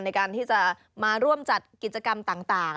ในการที่จะมาร่วมจัดกิจกรรมต่าง